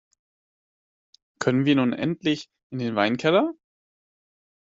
Können wir nun endlich in den Weinkeller?